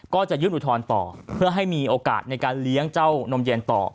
ก็จะยื่นอุทธรณ์ต่อเพื่อให้มีโอกาสในการเลี้ยงเจ้านมเย็นต่อ